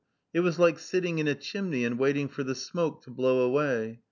It was like sitting in a chimney and waiting for the smoke to blow away.